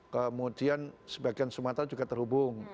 kemudian sebagian sumatera juga terhubung